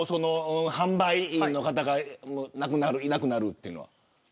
販売員の方がいなくなるっていうのは。